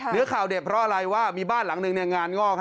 เนื้อข่าวเด็ดเพราะอะไรว่ามีบ้านหลังหนึ่งงานงอก